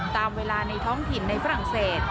ตามเวลาในท้องถิ่นในฝรั่งเศส